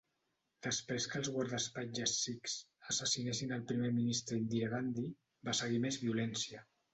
Després que els guardaespatlles sikhs assassinessin el primer ministre Indira Gandhi, va seguir més violència.